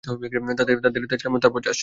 তাদের তেজ কমুক, তারপর যাস।